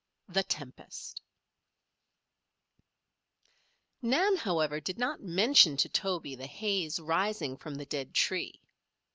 THE TEMPEST Nan, however, did not mention to Toby the haze rising from the dead tree.